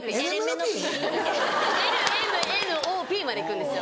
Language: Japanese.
「ＬＭＮＯＰ」までいくんですよ。